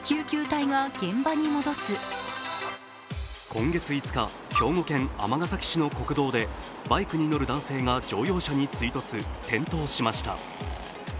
今月５日、兵庫県尼崎市の国道でバイクに乗る男性が乗用車に追突、転倒しました。